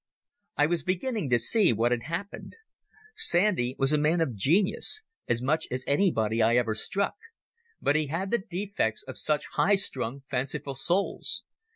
I was beginning to see what had happened. Sandy was a man of genius—as much as anybody I ever struck—but he had the defects of such high strung, fanciful souls.